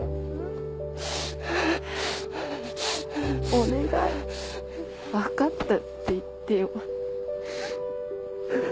お願い分かったって言ってよ。